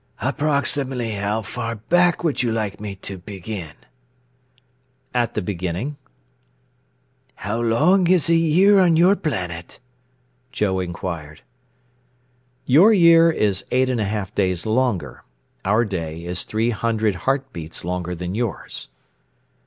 "Approximately how far back would you like me to begin?" "At the beginning." "How long is a year on your planet?" Joe inquired. "Your year is eight and a half days longer. Our day is three hundred heartbeats longer than yours."